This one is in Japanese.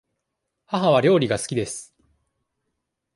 母は料理が好きです。